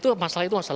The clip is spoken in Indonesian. rumah sakit itu